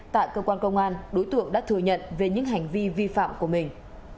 tại cơ quan công an đối tượng đã thừa nhận về những hành vi vi phạm của mình